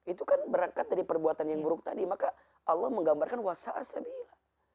itu kan berangkat dari perbuatan yang buruk tadi maka allah menggambarkan washa'a sebilah